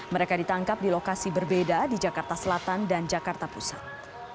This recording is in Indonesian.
mereka ditangkap di lokasi berbeda di jakarta selatan dan jakarta pusat